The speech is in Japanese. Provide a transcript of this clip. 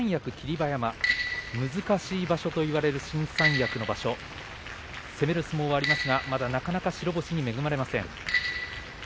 馬山難しい場所と言われる新三役の場所攻める相撲はありますがまだなかなか白星に恵まれません。